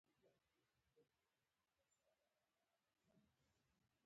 د ټیکنالوژۍ سره پوهه د هر انسان اړتیا ده.